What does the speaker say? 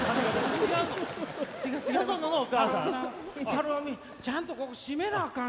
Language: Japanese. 晴臣ちゃんとここ閉めなあかん。